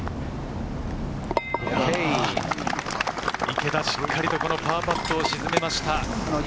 池田、しっかりとパーパットを沈めました。